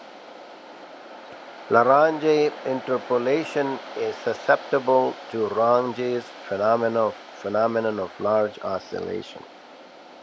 Lagrange interpolation is susceptible to Runge's phenomenon of large oscillation.